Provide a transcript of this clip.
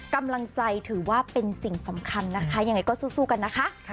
กำลังใจถือว่าเป็นสิ่งสำคัญนะคะยังไงก็สู้กันนะคะ